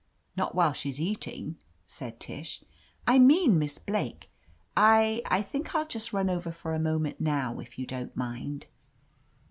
Not while she's eating,'^ said Tish. I mean Miss Blake. I — I think I'll just run over for a moment now, if you don't mind."